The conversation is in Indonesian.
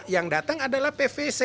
yang datang adalah pvc